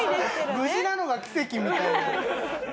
無事なのが奇跡みたいな。